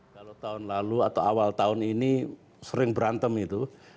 kalau tahun lalu atau awal tahun ini sering berantem itu